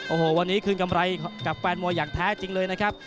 โอ้โหวันนี้คืนกำไรกับแฟนมวยอย่างแท้จริงเลยนะครับ